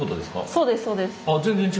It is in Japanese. そうですそうです。